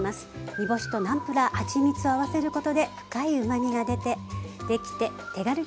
煮干しとナムプラーはちみつを合わせることで深いうまみが出てできて手軽につくれるキムチです。